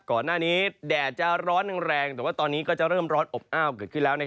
ก่อนหน้านี้แดดจะร้อนแรงแต่ว่าตอนนี้ก็จะเริ่มร้อนอบอ้าวเกิดขึ้นแล้ว